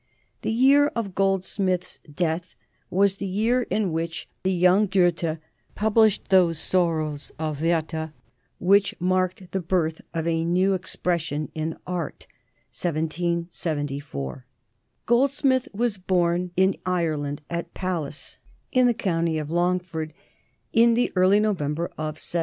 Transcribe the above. The year of Goldsmith's death was the year in which the young Goethe published those "Sorrows of Werther" which marked the birth of a new form of expression in art. Goldsmith was born in Ireland, at Pallas, in the county of Longford, in the early November of 1728.